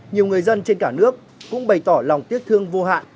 nhiều người dân trên cả nước cũng bày tỏ lòng tiếc thương vô hạn